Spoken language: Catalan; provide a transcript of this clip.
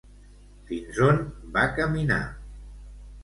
Fins on va caminar?